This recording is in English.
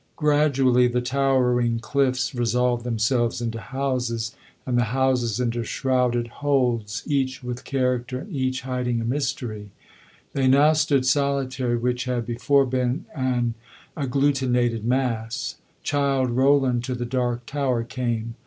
Gradually the towering cliffs resolved themselves into houses, and the houses into shrouded holds, each with character and each hiding a mystery. They now stood solitary which had before been an agglutinated mass. Childe Roland to the Dark Tower came....